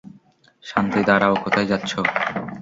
শান্তি, - দাঁড়াও, কোথায় যাচ্ছো?